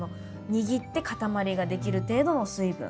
握って塊ができる程度の水分。